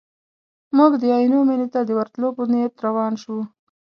موږ د عینو مینې ته د ورتلو په نیت روان شوو.